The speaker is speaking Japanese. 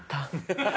ハハハハ！